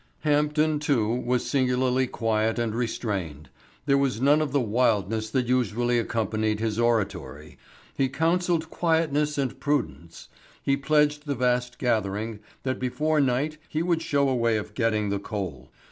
Hampden, too, was singularly quiet and restrained. There was none of the wildness that usually accompanied his oratory. He counselled quietness and prudence. He pledged the vast gathering that before night he would show a way of getting the coal.